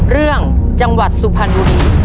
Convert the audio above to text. เรื่องจังหวัดสุพรรณบุรี